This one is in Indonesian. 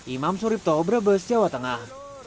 imam suripto brebes jawa tengah